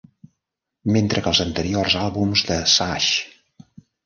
Mentre que els anteriors àlbums de Sash!